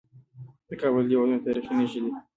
د کابل دیوالونه د تاریخ نښې دي